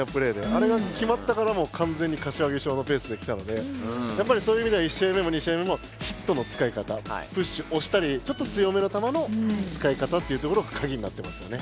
あれが決まってからもうかんぜんに柏木小のペースできたのでやっぱりそういう意味では１試合目も２試合目もヒットの使い方プッシュ押したりちょっと強めの球の使い方というところがカギになってますよね。